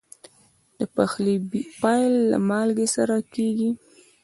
د پخلي پیل له مالګې سره کېږي.